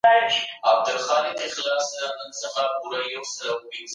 څېړونکی باید د حقایقو په سپړلو کي زړور وي.